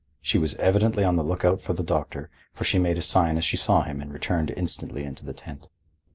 She was evidently on the lookout for the doctor, for she made a sign as she saw him and returned instantly into the tent.